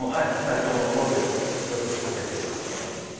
お二人ともすごくよく立ててると思います。